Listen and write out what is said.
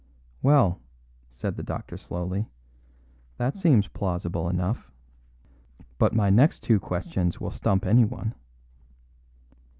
"Well," said the doctor slowly, "that seems plausible enough. But my next two questions will stump anyone."